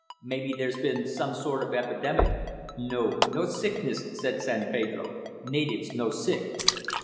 Maybe there's been some sort of epidemic." "No, no sickness," said San Pedro. "Natives no sick."